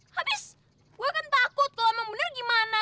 habis gue kan takut kalau memang bener gimana